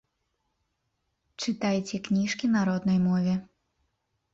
Чытайце кніжкі на роднай мове!